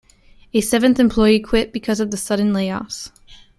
A seventh employee quit because of the sudden layoffs.